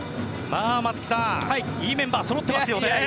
松木さん、いいメンバーがそろってますよね。